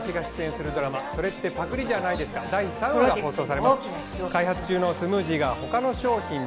今夜１０時からは私が出演するドラマ『それってパクリじゃないですか？』、第３話が放送されます。